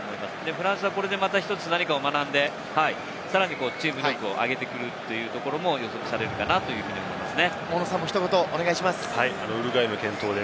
フランスはこれでまた１つ何か学んで、さらにチーム力を上げてくるというところも予測されるかなと思いますね。